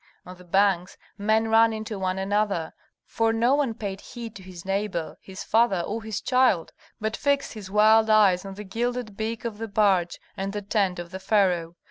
On the banks men ran into one another, for no one paid heed to his neighbor, his father, or his child, but fixed his wild eyes on the gilded beak of the barge and the tent of the pharaoh.